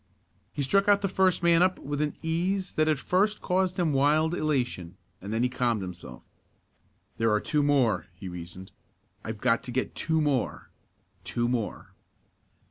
He struck out the first man up with an ease that at first caused him wild elation, and then he calmed himself. "There are two more," he reasoned. "I've got to get two more two more."